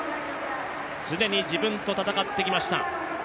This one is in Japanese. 常に自分と戦ってきました。